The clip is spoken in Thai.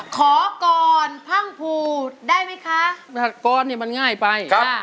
ขอกรอนพังผูทได้ไหมคะถัดกรอนเนี่ยมันง่ายไป